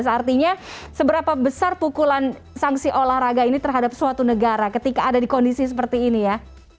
seartinya seberapa besar pukulan sanksi olahraga ini terhadap suatu negara ketika ada di kondisi seperti ini ya